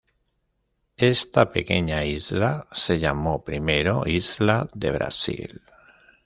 Esta pequeña isla se llamó primero isla de Brasil.